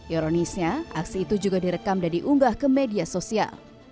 ironisnya aksi itu juga direkam dan diunggah ke media sosial